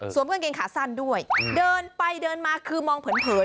กางเกงขาสั้นด้วยเดินไปเดินมาคือมองเผิน